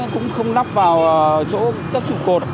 cũng không nắp vào chỗ các trụ cột